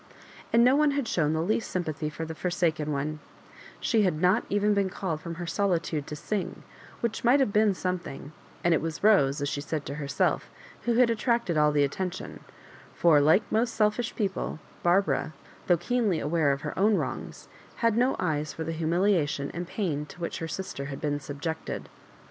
And no one had shown the least sympathy for the forsaken one, She had not even been called from her solitude to sing, which might have been something, and it was Rose, as she said to herself, who had attracted all the attention ; for like most selfish people, Barbara, though keenly aware of her own wrongs, had no eyes for the humiliation and pain to which her sister had been subjected.